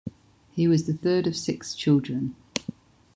He was the third of six children.